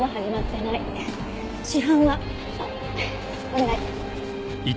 お願い。